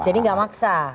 jadi gak maksa